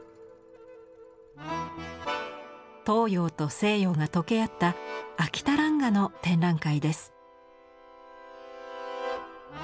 東洋と西洋が溶け合った秋田蘭画の展覧会です。